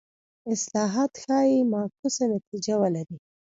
اصلاحات ښايي معکوسه نتیجه ولري.